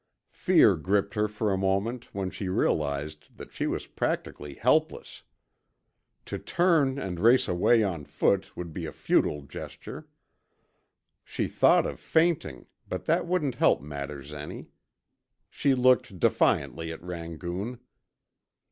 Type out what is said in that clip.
Fear gripped her for a moment when she realized that she was practically helpless. To turn and race away on foot would be a futile gesture. She thought of fainting, but that wouldn't help matters any. She looked defiantly at Rangoon.